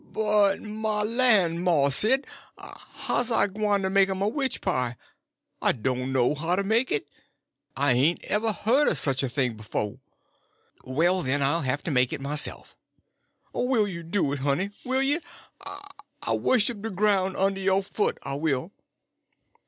"But my lan', Mars Sid, how's I gwyne to make 'm a witch pie? I doan' know how to make it. I hain't ever hearn er sich a thing b'fo'." "Well, then, I'll have to make it myself." "Will you do it, honey?—will you? I'll wusshup de groun' und' yo' foot, I will!"